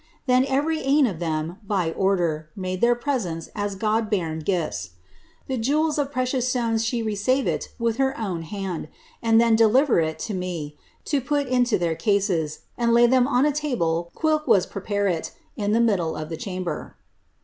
Then every ane oi' lliem, by order, made their presents as (•od bairn gifts. The jewels cf precious stones she resavit with her awn hanil, and then delivtrii to me 10 put into iheir cases, and lay ihein on a tabic quhilk was prepariL n the niiddle of the chamber."